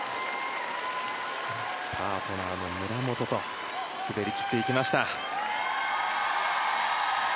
パートナーの村元と滑り切っていきました。